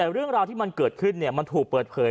แต่เรื่องราวที่มันเกิดขึ้นมันถูกเปิดเผย